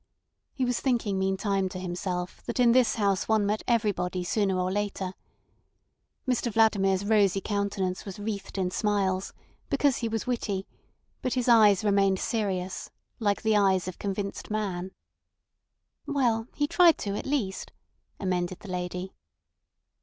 He was thinking meantime to himself that in this house one met everybody sooner or later. Mr Vladimir's rosy countenance was wreathed in smiles, because he was witty, but his eyes remained serious, like the eyes of convinced man. "Well, he tried to at least," amended the lady.